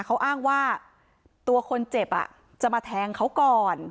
เขาอ้างว่าตัวคนเจ็บจะมาแทงเขาก่อน